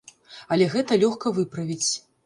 Але гэта лёгка выправіць.